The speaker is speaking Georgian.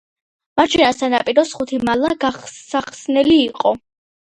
მარჯვენა სანაპიროს ხუთი მალა გასახსნელი იყო.